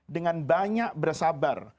dengan banyak bersabar